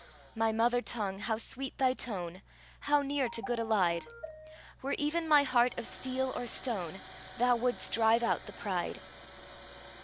My mother tongue, how sweet thy tone! How near to good allied! Were even my heart of steel or stone, Thou wouldst drive out the pride.